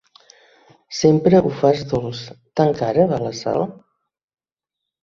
Sempre ho fas dolç: tan cara va la sal?